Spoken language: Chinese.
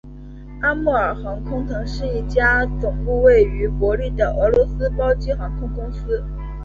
阿穆尔航空曾是一家总部位于伯力的俄罗斯包机航空公司。